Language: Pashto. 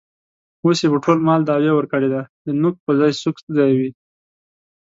اوس یې په ټول مال دعوه ورکړې ده. د نوک په ځای سوک ځایوي.